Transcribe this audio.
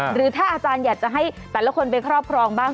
หรือถ้าอาจารย์อยากจะให้แต่ละคนไปครอบครองบ้าง